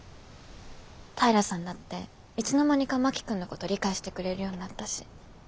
平さんだっていつの間にか真木君のこと理解してくれるようになったし